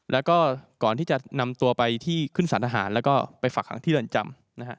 แล้วก็ก่อนที่จะนำตัวไปที่ขึ้นสารทหารแล้วก็ไปฝากหางที่เรือนจำนะฮะ